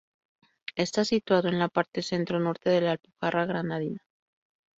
Está situado en la parte centro-norte de la Alpujarra Granadina.